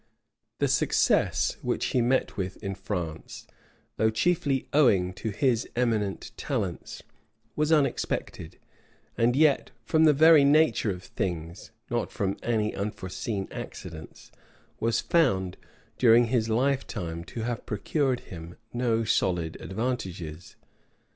The success which he met with in France, though chiefly owing to his eminent talents, was unexpected; and yet, from the very nature of things, not from any unforeseen accidents, was found, even during his lifetime, to have procured him no solid advantages.